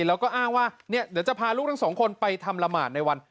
แล้วก็อ้างว่าเดี๋ยวจะพาลูกทั้งสองคนไปทำละหมาดในวัน